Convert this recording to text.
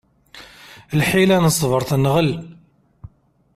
Lḥila n ṣṣber tenɣel.